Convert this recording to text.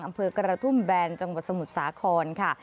อำเภอกระทุ่มแบนจังหวัดสมุทรสาครค่ะ